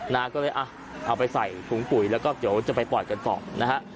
นาก็เลยอ่ะเอาไปใส่ถุงปุ๋ยแล้วก็เดี๋ยวจะไปปล่อยกันต่อนะฮะ